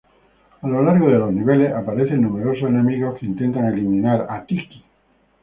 A lo largo de los niveles aparecen numerosos enemigos que intentan eliminar a Tiki.